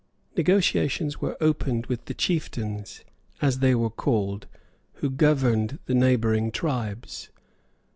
Negotiations were opened with the chieftains, as they were called, who governed the neighbouring tribes.